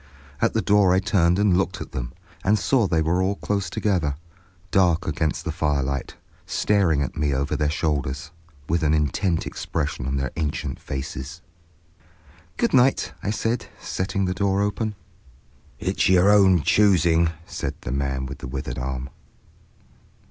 At the door I turned and looked at them, and saw they were all close together, dark against the firelight, staring at me over their shoulders, with an intent expression on their ancient faces. "Good night," I said, setting the door open. "It's your own choosing," said the man with the withered arm.